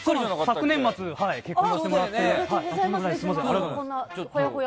昨年末、結婚させてもらって。